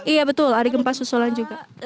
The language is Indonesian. iya betul ada gempa susulan juga